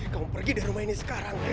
kamu pergi di rumah ini sekarang